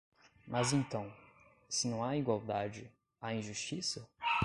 Mas então, se não há igualdade, há injustiça?